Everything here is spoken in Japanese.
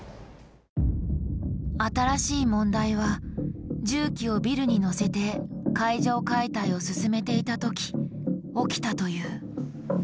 新しい問題は重機をビルに乗せて階上解体を進めていた時起きたという。